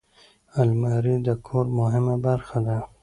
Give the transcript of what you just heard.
الماري د کور مهمه برخه ده